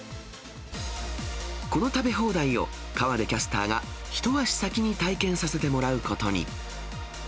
この食べ放題を、河出キャスターが一足先に体験させてもらうことに。